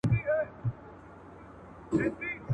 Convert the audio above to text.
و خاورو ته وسپارل سي